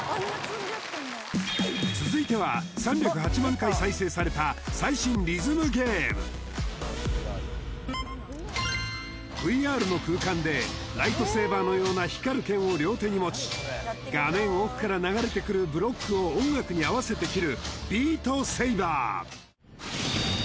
続いてはＶＲの空間でライトセーバーのような光る剣を両手に持ち画面奥から流れてくるブロックを音楽に合わせて斬るビートセイバー